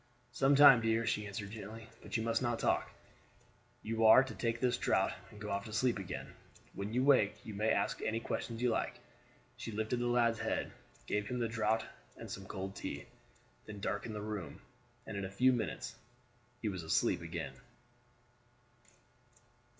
"Some time, dear," she answered gently; "but you must not talk. You are to take this draught and to go off to sleep again; when you wake you may ask any questions you like." She lifted the lad's head, gave him the draught and some cold tea, then darkened the room, and in a few minutes he was asleep again.